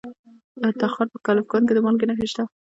د تخار په کلفګان کې د مالګې نښې شته.